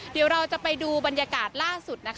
เดี๋ยวเราจะไปดูบรรยากาศล่าสุดนะคะ